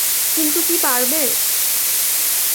কিন্তু কি পারবে?